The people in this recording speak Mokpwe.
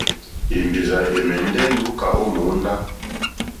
Èmbèrzà ɛ̀mɛ́ndɛ́ lùúká ó mòóndá.